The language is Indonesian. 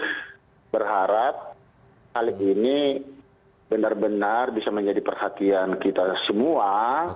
dengan pak lilit berharap kali ini benar benar bisa menjadi perhatian kita semua